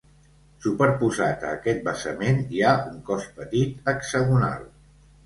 Superposat a aquest basament hi ha un cos petit hexagonal.